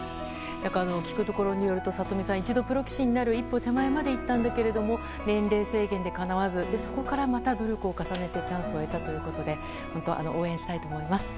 聞くところによると里見さんは一度プロ棋士になる一歩手前までいったんだけれども年齢制限でかなわずそこからまた努力を重ねてチャンスを得たということで応援したいと思います。